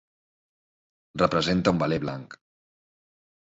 Representa un veler blanc.